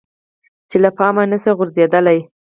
چې له پامه نشي غورځیدلی.